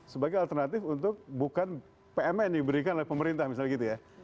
sebagai alternatif untuk bukan pmn diberikan oleh pemerintah misalnya gitu ya